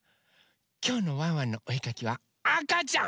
きょうの「ワンワンのおえかき」はあかちゃん！